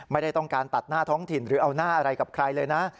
ไม่ได้ต้องการตัดหน้าท้องถิ่นหรือเอาหน้าอะไรกับใครเลยนะ